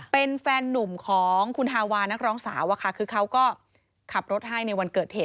เป็นแฟนนุ่มของคุณฮาวานักร้องสาวอะค่ะคือเขาก็ขับรถให้ในวันเกิดเหตุ